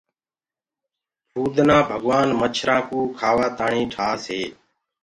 ڀمڀڻيو ڀگوآن مڇر کآوآ تآڻي ٺآس هي۔